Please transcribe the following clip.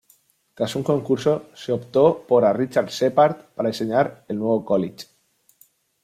Tras un concurso, se optó por a Richard Sheppard para diseñar el nuevo college.